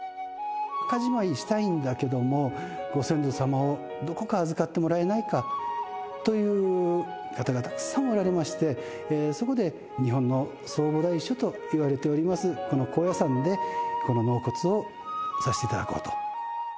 墓じまいしたいんだけど、ご先祖様をどこか預かってもらえないかという方がたくさんおられまして、そこで、日本の総菩提所といわれております、この高野山で納骨をさせていただこうと。